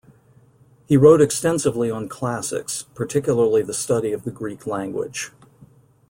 He wrote extensively on Classics, particularly the study of the Greek language.